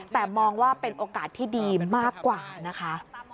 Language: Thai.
แต่มองว่าเป็นโอกาสที่ดีมากกว่านะคะ